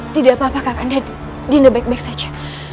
tidak apa apa kakanda dinda baik baik saja